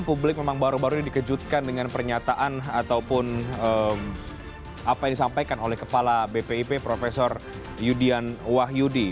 publik memang baru baru ini dikejutkan dengan pernyataan ataupun apa yang disampaikan oleh kepala bpip prof yudian wahyudi